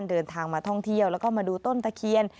เดินทางมาท่องเที่ยวแล้วก็มาดูต้นตะเคียน